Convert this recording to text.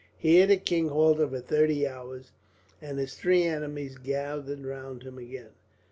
Here the king halted for thirty hours, and his three enemies gathered round him again.